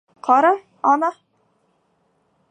Ҡара, ана...